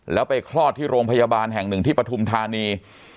แล้วไปคลอดที่โรงพยาบาลแห่งหนึ่งที่ปฐุมธานี